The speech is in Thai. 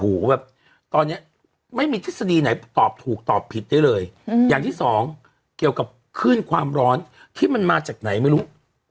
โอ้โหแบบตอนเนี้ยไม่มีทฤษฎีไหนตอบถูกตอบผิดได้เลยอย่างที่สองเกี่ยวกับคลื่นความร้อนที่มันมาจากไหนไม่รู้